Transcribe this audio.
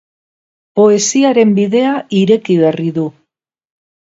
Poesiaren bidea ireki berri du.